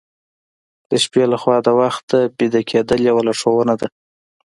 د شپې له خوا د وخته ویده کیدل یو لارښوونه ده.